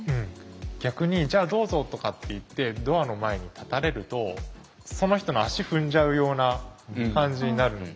逆に「じゃあどうぞ」とかっていってドアの前に立たれるとその人の足踏んじゃうような感じになる。